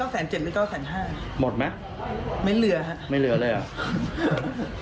หมดไหมไม่เหลือเลยเหรอเล่นไม่เหลือเลยเหรอ